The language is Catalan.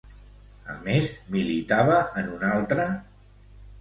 A més, militava en un altre?